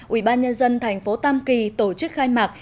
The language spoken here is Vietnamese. ubnd tp tam kỳ tổ chức khai mạc